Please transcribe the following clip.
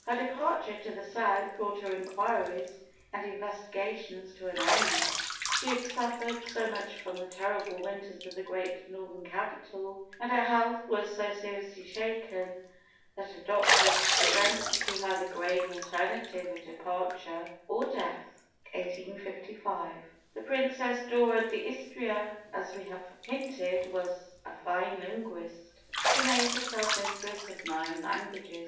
Her departure to the South brought her inquiries and investigations to an end. She had suffered so much from the terrible winters of the great Northern capital, and her health was so seriously shaken, that her doctors presented to her the grave alternative of departure or death (1855). The Princess Dora d'Istria, as we have hinted, was a fine linguist. She made herself mistress of nine languages.